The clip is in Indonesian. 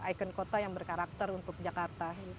ikon kota yang berkarakter untuk jakarta